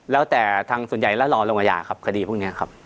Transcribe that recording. แล้วแต่ทางส่วนใหญ่แล้วรอลงอาญาครับ